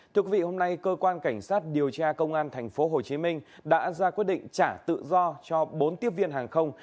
thưa quý vị hôm nay cơ quan cảnh sát điều tra công an tp hcm đã ra quyết định trả tự do cho bốn tiếp viên hàng không